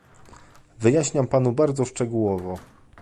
Wyjaśniam panu bardzo szczegółowo